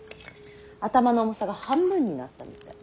頭の重さが半分になったみたい。